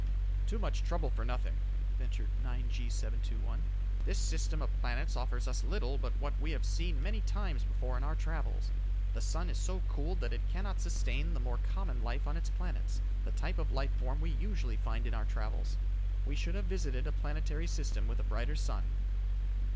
"Too much trouble for nothing," ventured 9G 721. "This system of planets offers us little but what we have seen many times before in our travels. The sun is so cooled that it cannot sustain the more common life on its planets, the type of life forms we usually find in our travels. We should have visited a planetary system with a brighter sun."